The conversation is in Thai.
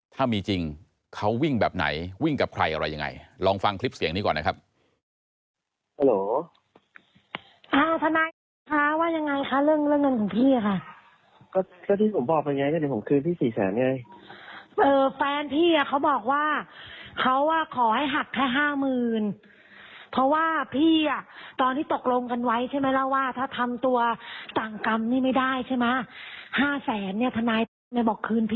ถ้ามีจริงเขาวิ่งแบบไหนวิ่งกับใครอะไรยังไงลองฟังคลิปเสียงนี้ก่อนนะครับ